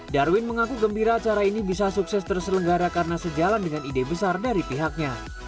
darwin mengaku gembira acara ini bisa sukses terselenggara karena sejalan dengan ide besar dari pihaknya